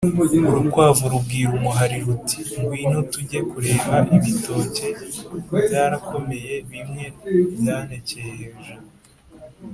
urukwavu rubwira umuhari ruti « ngwino tujye kureba ibitoke byarakomeye, bimwe byanekeye hejuru